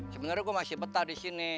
sebenernya gue masih betah disini